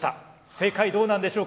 正解どうなんでしょうか？